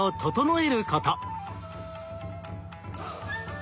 え。